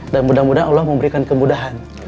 mudah mudahan allah memberikan kemudahan